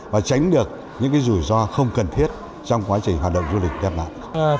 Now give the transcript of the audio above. và tránh được những rủi ro không cần thiết trong quá trình hoạt động du lịch việt nam